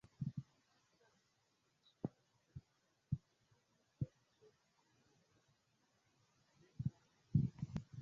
Ĝuste tial mi tie ĉi sidas, ke mi eĉ kopekon ne havas.